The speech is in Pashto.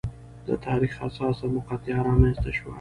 د تاریخ حساسه مقطعه رامنځته شوه.